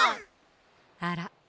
あら？